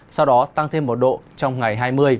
sau đó tăng thêm một độ trong ngày hai mươi